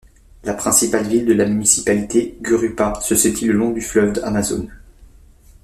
La principale ville de la municipalité, Gurupá, se situe le long du fleuve Amazone.